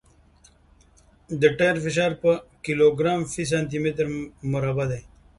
د ټیر فشار په کیلوګرام فی سانتي متر مربع دی